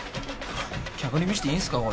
客に見していいんすか？